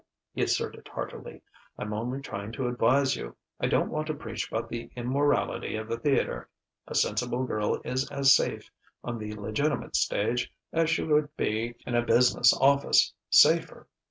he asserted heartily. "I'm only trying to advise you.... I don't want to preach about the immorality of the theatre. A sensible girl is as safe on the legitimate stage as she would be in a business office safer!